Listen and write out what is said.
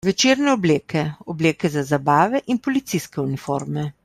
Večerne obleke, obleke za zabave in policijske uniforme.